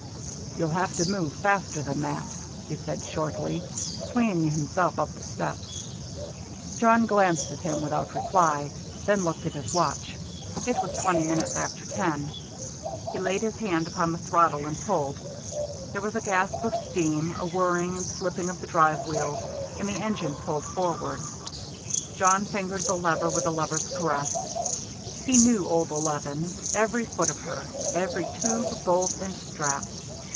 "You'll have to move faster than that," he said shortly, swinging himself up the steps. Jawn glanced at him without reply, then looked at his watch. It was twenty minutes after ten. He laid his hand upon the throttle and pulled. There was a gasp of steam, a whirring and slipping of the drive wheels, and the engine plunged forward. Jawn fingered the lever with a lover's caress. He knew old "eleven," every foot of her, every tube, bolt, and strap.